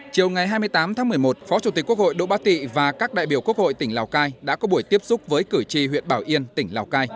chiều ngày hai mươi tám tháng một mươi một phó chủ tịch quốc hội đỗ bá tị và các đại biểu quốc hội tỉnh lào cai đã có buổi tiếp xúc với cử tri huyện bảo yên tỉnh lào cai